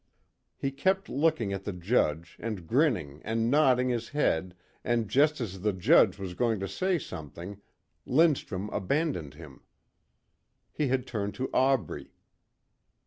He kept looking at the judge and grinning and nodding his head and just as the judge was going to say something Lindstrum abandoned him. He had turned to Aubrey.